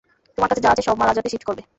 তোমার কাছে যা আছে সব মাল আজ রাতে শিফট করবে।